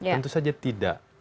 tentu saja tidak